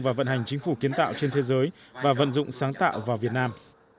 và vận hành chính phủ kiến tạo trên thế giới và vận dụng sáng tạo vào việt nam